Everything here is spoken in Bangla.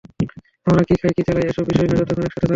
আমরা কী খাই, কী চালাই, এসব বিষয় না, যতক্ষন একসাথে থাকব।